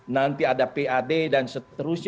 nanti ada pad dan seterusnya